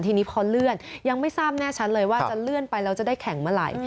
ทีนี้พอเลื่อนยังไม่ทราบแน่ชัดเลยว่าจะเลื่อนไปแล้วจะได้แข่งเมื่อไหร่